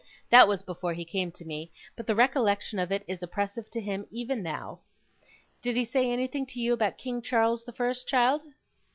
That was before he came to me, but the recollection of it is oppressive to him even now. Did he say anything to you about King Charles the First, child?